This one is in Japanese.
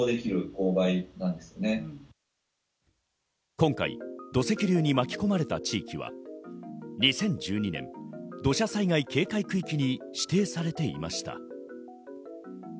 今回、土石流に巻き込まれた地域は２０１２年、土砂災害警戒区域に指定されていました。